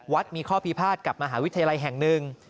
มีข้อพิพาทกับมหาวิทยาลัยแห่งหนึ่ง